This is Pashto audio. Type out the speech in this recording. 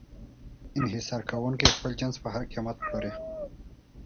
انحصار کوونکی خپل جنس په هر قیمت پلوري.